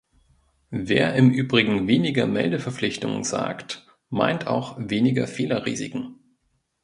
Wer im übrigen weniger Meldeverpflichtungen sagt, meint auch weniger Fehlerrisiken.